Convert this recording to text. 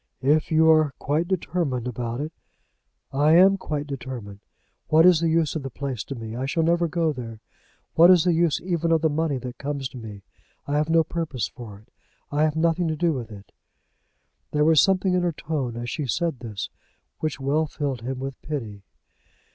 "If you are quite determined about it " "I am quite determined. What is the use of the place to me? I never shall go there. What is the use even of the money that comes to me? I have no purpose for it. I have nothing to do with it." There was something in her tone as she said this which well filled him with pity.